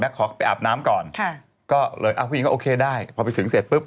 ขอไปอาบน้ำก่อนค่ะก็เลยผู้หญิงก็โอเคได้พอไปถึงเสร็จปุ๊บ